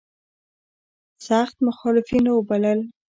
سخت مخالفین را وبلل.